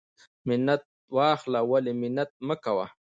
منت واخله ولی منت مکوه.